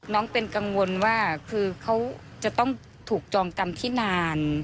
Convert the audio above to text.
น้องเป็นกังวลว่าคือเขาจะต้องถูกจองกรรมที่นาน